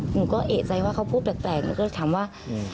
หนูก็เอกใจว่าเขาพูดแปลกแล้วก็ถามว่า